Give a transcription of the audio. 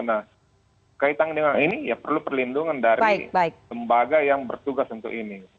nah kaitan dengan ini ya perlu perlindungan dari lembaga yang bertugas untuk ini